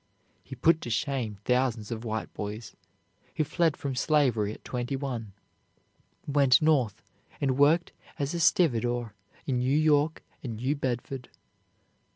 He put to shame thousands of white boys. He fled from slavery at twenty one, went North, and worked as a stevedore in New York and New Bedford.